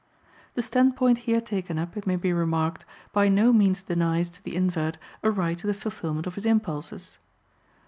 The standpoint here taken up, it may be remarked, by no means denies to the invert a right to the fulfillment of his impulses.